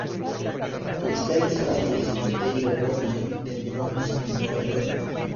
Está enterrado en el cementerio "Woodlawn" del Bronx, en Nueva York.